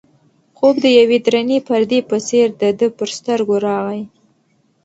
خوب د یوې درنې پردې په څېر د ده پر سترګو راغی.